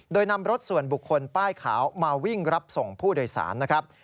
โดยนำรถส่วนบุคคลป้ายขาวมาวิ่งรับส่งผู้โดยสารนะครับ